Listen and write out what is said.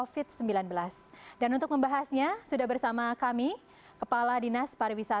sudah sekali ya sudah ramai sekali di jogja